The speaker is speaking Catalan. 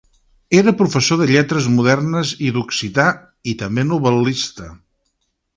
Era professor de Lletres modernes i d'occità, i també novel·lista.